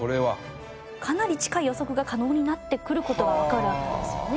かなり近い予測が可能になってくる事がわかるわけなんですよね。